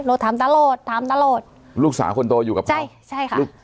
ถามตลอดถามตลอดลูกสาวคนโตอยู่กับใช่ใช่ค่ะลูก